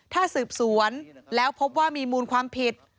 ถ้าสืบสวนแล้วพบว่ามีมูลความผิด